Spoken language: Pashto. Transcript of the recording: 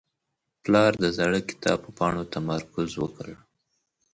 پلار د زاړه کتاب په پاڼو تمرکز وکړ.